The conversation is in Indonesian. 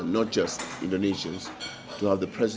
kita juga harapan mengambil alih diri dari komponen gratis